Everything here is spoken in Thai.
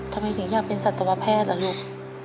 ทำไมถึงอยากเป็นสัตวแพทย์ล่ะลูก